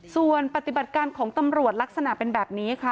ส่วนปฏิบัติการของตำรวจลักษณะเป็นแบบนี้ค่ะ